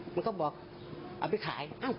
แล้วก็บอกเอาไปขาย